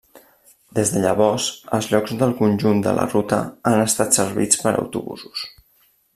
Des de llavors, els llocs del conjunt de la ruta han estat servits per autobusos.